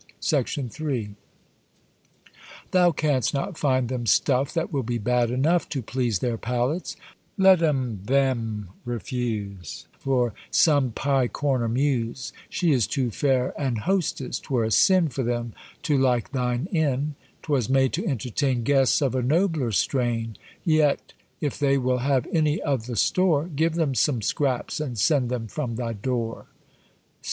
III. Thou canst not find them stuff, That will be bad enough To please their palates: let 'em them refuse, For some Pye corner muse; She is too fair an hostess, 'twere a sin For them to like thine Inn: 'Twas made to entertain Guests of a nobler strain; Yet, if they will have any of the store, Give them some scraps, and send them from thy dore.